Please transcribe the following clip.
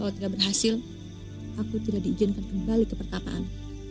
jika berhasil aku tidak diizinkan kembali ke pertataan